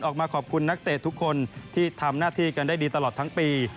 ออกมาขอบคุณนักเตะทุกคนที่ทำหน้าที่กันได้ดีตลอดทั้งปี